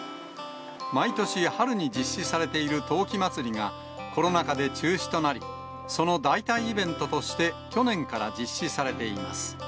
毎年春に実施されている陶器まつりがコロナ禍で中止となり、その代替イベントとして去年から実施されています。